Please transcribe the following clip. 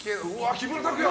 木村拓哉！